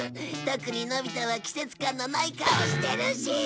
特にのび太は季節感のない顔してるし！